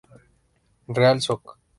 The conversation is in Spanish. Real Soc.